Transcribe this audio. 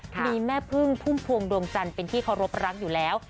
มีแม่พึ่งพุ่มพวงดวงจันทร์เป็นที่เคารพรักอยู่แล้ว